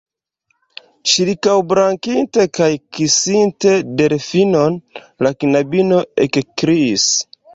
Ĉirkaŭbrakinte kaj kisinte Delfinon, la knabino ekkriis: